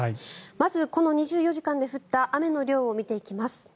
まず、この２４時間で降った雨の量を見ていきます。